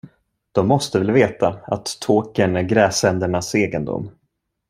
De måste väl veta, att Tåkern är gräsändernas egendom.